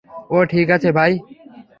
ওহ, ঠিক আছে ভাই।